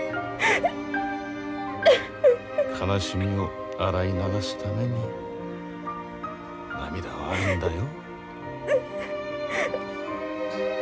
悲しみを洗い流すために涙はあるんだよ。